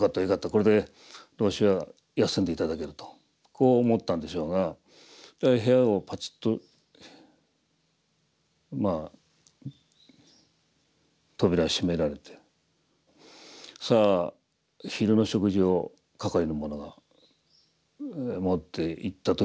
これで老師は休んで頂ける」とこう思ったんでしょうが部屋をパツッと扉を閉められてさあ昼の食事を係の者が持っていった時にですね